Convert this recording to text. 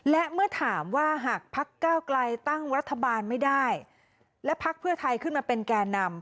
และเมื่อถามว่าหากพักเก้าไกลตั้งรัฐบาลไม่ได้และพักเพื่อไทยขึ้นมาเป็นแก่นำ